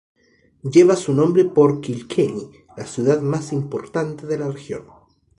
Lleva su nombre por Kilkenny, la ciudad más importante de la región.